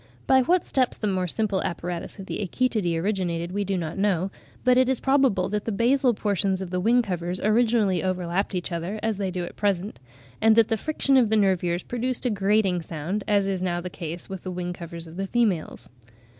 By what steps the more simple apparatus in the Achetidae originated, we do not know, but it is probable that the basal portions of the wing covers originally overlapped each other as they do at present; and that the friction of the nervures produced a grating sound, as is now the case with the wing covers of the females.